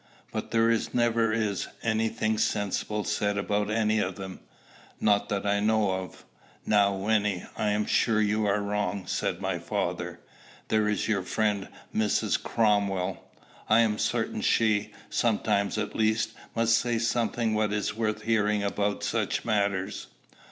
"But there never is any thing sensible said about any of them, not that I know of." "Now, Wynnie, I am sure you are wrong," said my father. "There is your friend, Mrs. Cromwell: I am certain she, sometimes at least, must say what is worth hearing about such matters."